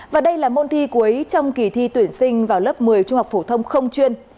và đây là môn thi cuối trong kỳ thi tuyển sinh vào lớp một mươi trung học phổ thông không chuyên